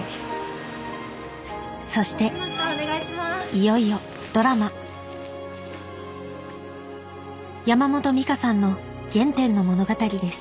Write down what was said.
いよいよドラマ山本美香さんの原点の物語です